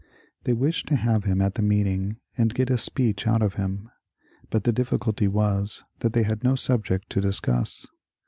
They wished to have him at the meeting and get a speech out of him, but the difficulty was that they had no subject to discuss.